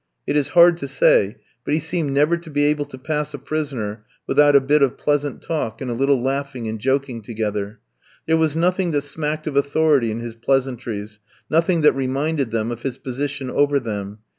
It is hard to say, but he seemed never to be able to pass a prisoner without a bit of pleasant talk and a little laughing and joking together. There was nothing that smacked of authority in his pleasantries, nothing that reminded them of his position over them.